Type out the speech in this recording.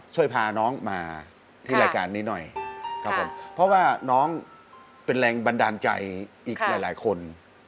ช่วยพาน้องมาที่รายการนี้หน่อยครับผมเพราะว่าน้องเป็นแรงบันดาลใจอีกหลายคน